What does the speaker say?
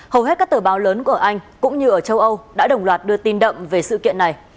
hầu hết các tờ báo lớn của anh cũng như ở châu âu đã đồng loạt đưa tin đậm về sự kiện này